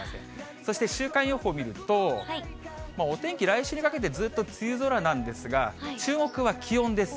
そして週間予報見ると、お天気、来週にかけてずっと梅雨空なんですが、注目は気温です。